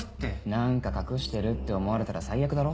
何か隠してるって思われたら最悪だろ？